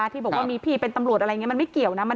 ที่บอกว่ามีพี่เป็นตำรวจอะไรอย่างนี้มันไม่เกี่ยวนะ